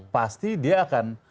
pasti dia akan